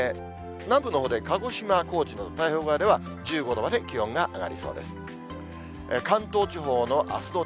南部のほうで、鹿児島、高知などの太平洋側では、１５度まで気温が上がりそうです。